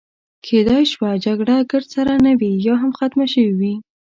کیدای شوه جګړه ګرد سره نه وي، یا هم ختمه شوې وي.